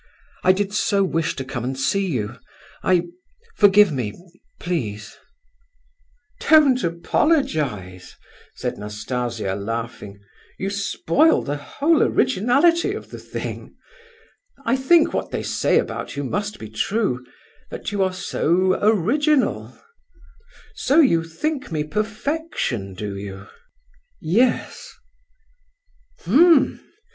I did so wish to come and see you. I—forgive me, please—" "Don't apologize," said Nastasia, laughing; "you spoil the whole originality of the thing. I think what they say about you must be true, that you are so original.—So you think me perfection, do you?" "Yes."